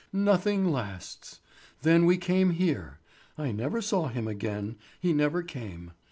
Nothing lasts. Then we came here—I never saw him again; he never came.